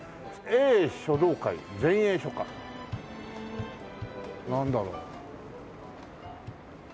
「英書道会前衛書家」なんだろう？